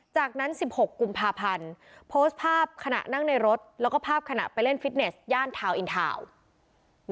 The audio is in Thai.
จากนั้น๑๖กุมภาพันธ์โพสต์ภาพขณะนั่งในรถแล้วก็ภาพขณะไปเล่นฟิตเนสย่านทาวนอินทาวน์